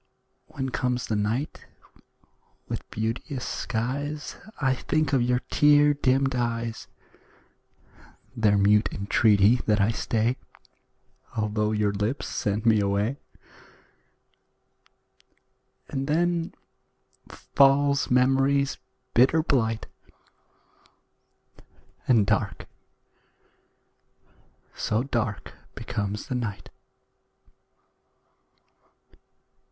When comes the night with beauteous skies, I think of your tear dimmed eyes, Their mute entreaty that I stay, Although your lips sent me away; And then falls memory's bitter blight, And dark so dark becomes the night.